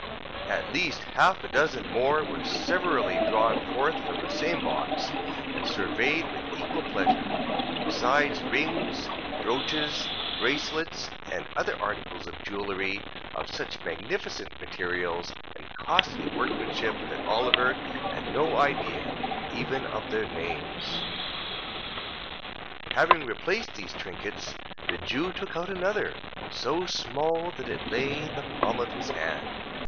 At least half a dozen more were severally drawn forth from the same box, and surveyed with equal pleasure; besides rings, brooches, bracelets, and other articles of jewellery, of such magnificent materials, and costly workmanship, that Oliver had no idea, even of their names. Having replaced these trinkets, the Jew took out another: so small that it lay in the palm of his hand.